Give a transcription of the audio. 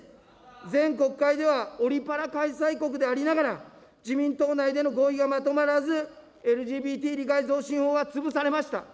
前国会では、オリパラ開催国でありながら、自民党内での合意がまとまらず、ＬＧＢＴ理解増進法は潰されました。